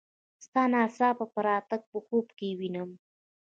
ستا ناڅاپه راتګ په خوب کې وینم.